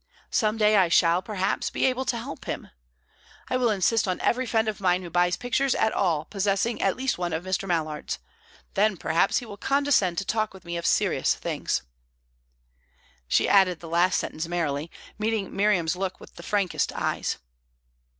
Some day I shall, perhaps, be able to help him. I will insist on every friend of mine who buys pictures at all possessing at least one of Mr. Mallard's; then, perhaps, he will condescend to talk with me of serious things." She added the last sentence merrily, meeting Miriam's look with the frankest eyes.